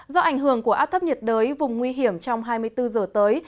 do ảnh hưởng của áp thấp nhiệt đới vùng nguy hiểm trong hai mươi bốn giờ tới